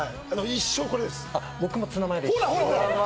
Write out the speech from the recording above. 僕もツナマヨです。